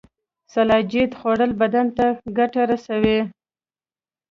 سلاجید خوړل بدن ته ګټه رسوي